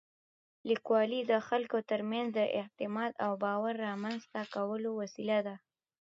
لیکوالی د خلکو تر منځ د اعتماد او باور رامنځته کولو وسیله ده.